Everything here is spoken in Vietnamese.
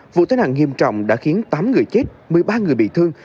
vụ tai nạn nghiêm trọng đã khiến tám người chết một mươi ba người bị thương